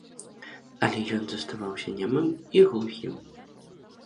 Але ён заставаўся нямым і глухім.